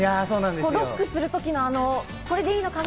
ロックする時の、これでいいのかな？